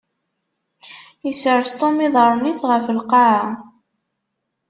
Isres Tom iḍaṛṛen-is ɣef lqaɛa.